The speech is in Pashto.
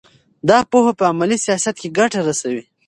دا پوهه په عملي سیاست کې ګټه رسوي.